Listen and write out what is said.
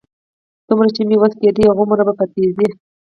څومره چې مې وس کېده، هغومره په تېزۍ.